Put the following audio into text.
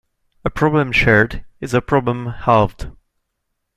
A problem shared is a problem halved.